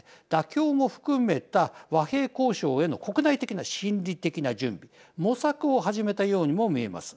妥協も含めた和平交渉への国内的な心理的な準備模索を始めたようにも見えます。